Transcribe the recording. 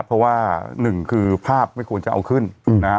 เพราะว่าหนึ่งคือภาพไม่ควรจะเอาขึ้นนะฮะ